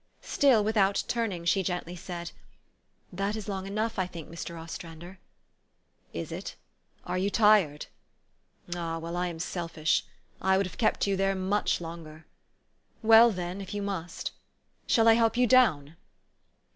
Still without turning, she gently said, " This is long enough, I think, Mr. Ostrander." " Is it? Are you tired? Ah ! Well, I am self ish. I would have kept you there much longer. Well, then, if you must. Shall I help you down?